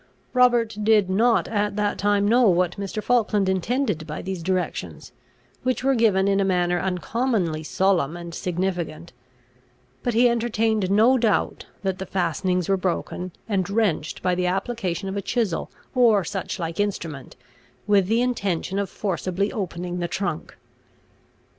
Robert did not at that time know what Mr. Falkland intended by these directions, which were given in a manner uncommonly solemn and significant; but he entertained no doubt, that the fastenings were broken and wrenched by the application of a chisel or such like instrument, with the intention of forcibly opening the trunk.